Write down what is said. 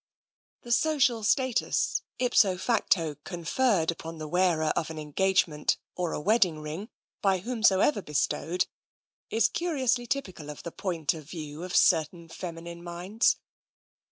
The social status, ipso facto, conferred upon the wearer of an engagement or a wedding ring, by whom soever bestowed, is curiously typical of the point of view of certain feminine minds.